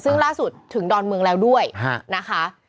ซึ่งล่าสุดถึงดอนเมืองแล้วด้วยนะคะ